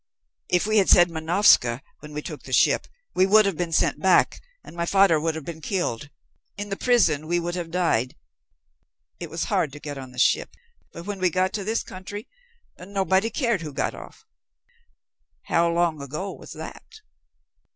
If we had said Manovska when we took the ship, we would have been sent back and my father would have been killed. In the prison we would have died. It was hard to get on the ship, but when we got to this country, nobody cared who got off." "How long ago was that?"